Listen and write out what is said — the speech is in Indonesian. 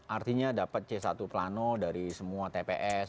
artinya dapat c satu plano dari semua tps